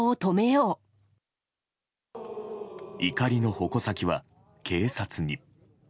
怒りの矛先は警察に。